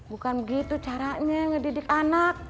bukan begitu caranya ngedidik anak